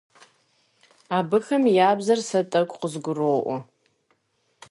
Абыхэм я бзэр сэ тӀэкӀу къызгуроӀуэ.